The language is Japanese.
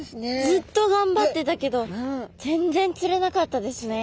ずっとがんばってたけど全然釣れなかったですね。